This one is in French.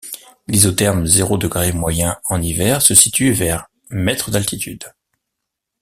L'isotherme zéro degré moyen en hiver se situe vers mètres d'altitude.